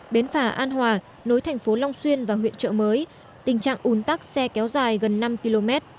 bến phà an hòa nối thành phố long xuyên và huyện trợ mới tình trạng ủn tắc xe kéo dài gần năm km